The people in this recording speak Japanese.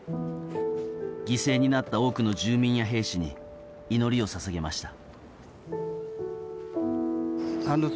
犠牲になった多くの住民や兵士に祈りを捧げました。